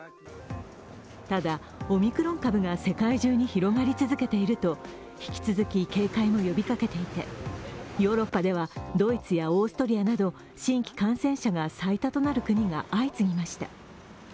ただ、オミクロン株が世界中に広がり続けていると引き続き警戒も呼びかけていてヨーロッパでは、ドイツやオーストリアなど新規感染者が最多となる国が相次ぎました。